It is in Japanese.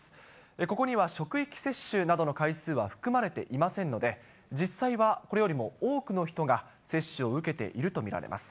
ここには職域接種などの回数は含まれていませんので、実際はこれよりも多くの人が接種を受けていると見られます。